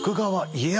家康？